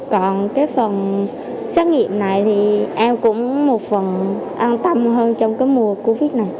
còn cái phần xét nghiệm này thì em cũng một phần an tâm hơn trong cái mùa covid này